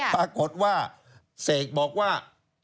ปรากฏว่าเสกบอกว่า